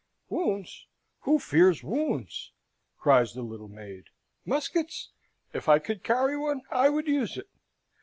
"Wounds! who fears wounds?" cries the little maid. "Muskets? If I could carry one, I would use it.